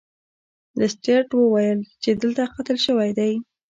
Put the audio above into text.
لیسټرډ وویل چې دلته قتل شوی دی.